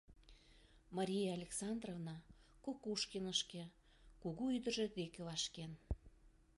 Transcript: Мария Александровна Кокушкинышке кугу ӱдыржӧ деке вашкен.